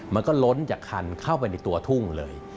มันก็ล้นจากคันเข้าไปในตัวทุ่งเลย